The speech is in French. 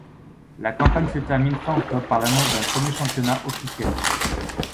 La campagne se termine fin octobre par l'annonce d'un premier championnat officiel.